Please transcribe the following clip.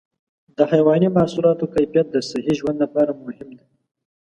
د حيواني محصولاتو کیفیت د صحي ژوند لپاره مهم دی.